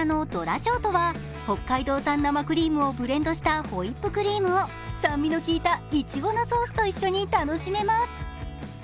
ショートは北海道産の生リームをブレンドしたホイップクリームを酸味のきいたいちごのソースと一緒に楽しめます。